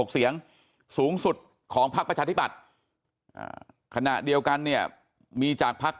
เสียงสูงสุดของพักประชาธิบัติขณะเดียวกันเนี่ยมีจากภักดิ์